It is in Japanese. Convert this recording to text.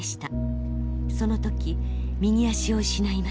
その時右足を失いました。